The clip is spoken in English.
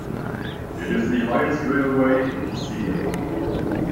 It is the highest railway in Ticino.